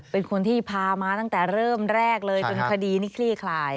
เป็นคนที่พามาตั้งแต่เริ่มแรกเลยจนคดีนี้คลี่คลาย